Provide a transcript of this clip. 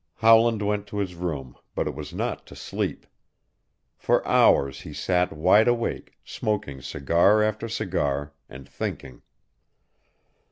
Howland went to his room, but it was not to sleep. For hours he sat wide awake, smoking cigar after cigar, and thinking.